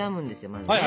まずね。